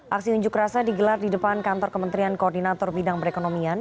aksi unjuk rasa digelar di depan kantor kementerian koordinator bidang perekonomian